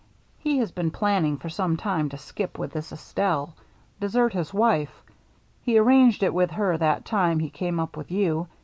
He has been planning for some time to skip with this Estelle — desert his wife. He arranged it with her that time he came up with you.